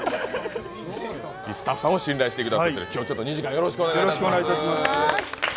スタッフさんを信頼されているということで、今日は２時間よろしくお願いします